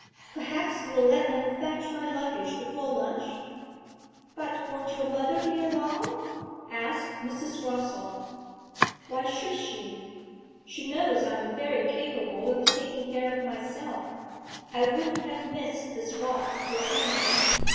Perhaps you'll let them fetch my luggage before lunch?' 'But won't your mother be alarmed?' asked Mrs. Rossall. 'Why should she? She knows I am very capable of taking care of myself. I wouldn't have missed this walk for anything.